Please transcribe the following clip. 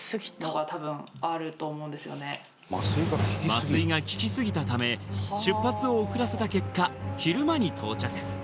麻酔が効きすぎたため出発を遅らせた結果昼間に到着